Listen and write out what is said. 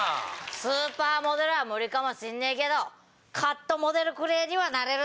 スーパーモデルは無理かもしんねえけどカットモデルくれぇにはなれる。